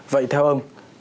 vậy theo ông